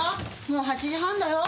もう８時半だよ。